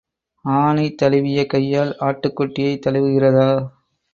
ஆனை தழுவிய கையால் ஆட்டுக்குட்டியைத் தழுவுகிறதா?